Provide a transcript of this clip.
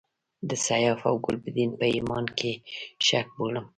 د سیاف او ګلبدین په ایمان کې شک بولم.